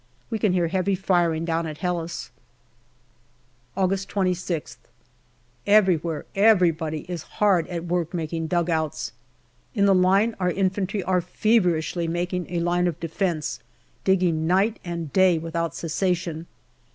We can hear heavy firing down at Helles. August 26th. Everywhere everybody is hard at work making dugouts. In the line our infantry are feverishly making a line of defence, digging night and day without cessation.